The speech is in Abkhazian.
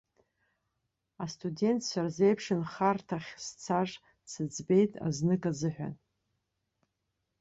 Астудентцәа рзеиԥшынхарҭахь сцарц сыӡбеит азнык азыҳәан.